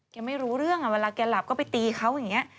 ไม่รู้เรื่องเวลาแกหลับก็ไปตีเขาอย่างนี้